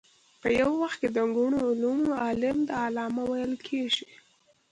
په یو وخت کې د ګڼو علومو عالم ته علامه ویل کېږي.